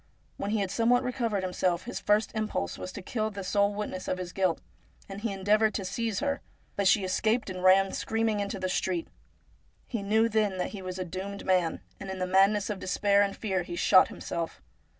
When he had somewhat re covered himself, his first impulse was to kill this sole witness of his guilt, and he endeavoured to seize her. But she escaped, and ran screaming into the street. He knew 'then that he was a doomed man, and in the madness of despair and fear he shot himself.